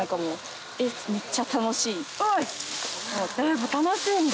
やっぱ楽しいんだ？